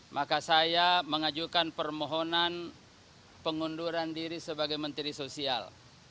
maka saya mengajukan permohonan pengunduran diri sebagai menteri sosial